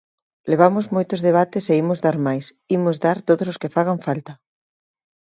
Levamos moitos debates e imos dar máis, imos dar todos os que fagan falta.